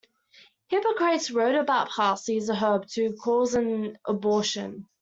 Hippocrates wrote about parsley as a herb to cause an abortion.